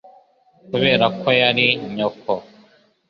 Kubera ko yari nyoko?